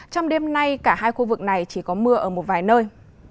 trong đêm nay cả hai khu vực này chỉ có mưa ở một vài nơi